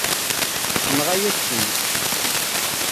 Tenɣa-yak-ten.